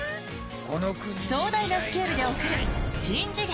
壮大なスケールで送る「しん次元！